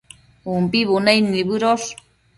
umbi bunaid nibëdosh